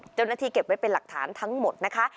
เจ้าหน้าที่เก็บไว้เป็นหลักฐานทั้งหมดนะคะ